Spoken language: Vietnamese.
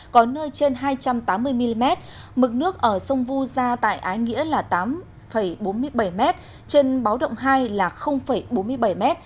có nơi trên hai trăm tám mươi mm mực nước ở sông vu gia tại ái nghĩa là tám bốn mươi bảy m trên báo động hai là bốn mươi bảy m